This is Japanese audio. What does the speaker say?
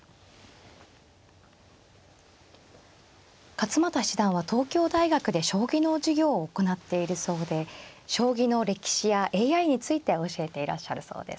勝又七段は東京大学で将棋の授業を行っているそうで将棋の歴史やＡＩについて教えていらっしゃるそうです。